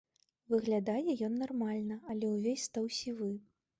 Выглядае ён нармальна, але ўвесь стаў сівы.